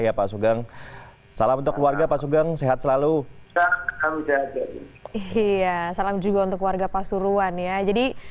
ya pak sugeng salam untuk keluarga pak sugeng sehat selalu iya salam juga untuk warga pasuruan ya jadi